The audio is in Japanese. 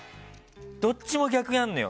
どっちも逆なのよ。